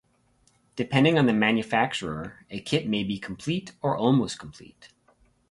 Depending on the manufacturer a kit may be complete or almost complete.